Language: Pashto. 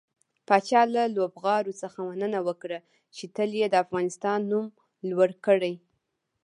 پاچا له لوبغاړو څخه مننه وکړه چې تل يې د افغانستان نوم لوړ کړى.